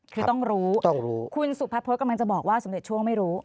คือต้องรู้คุณสุพัฒพฤษกำลังจะบอกว่าสำเร็จช่วงไม่รู้